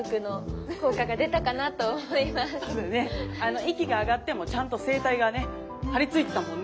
息が上がってもちゃんと声帯がね張り付いてたもんね。